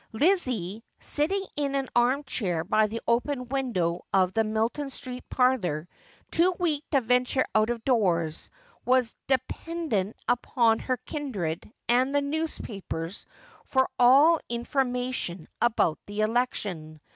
Lizzie, sitting in an arm chair by the open window of the Milton Street parlour, too weak to venture out of doors, was de pendent upon her kindred and the newspapers for all infor mation about the election.